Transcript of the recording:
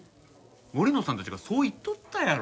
森野さんたちがそう言っとったやろ。